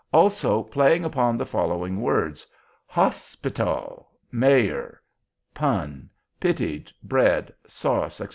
also, playing upon the following words: _hos_pital; mayor; pun; pitied; bread; sauce, etc.